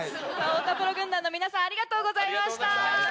太田プロ軍団の皆さんありがとうございました。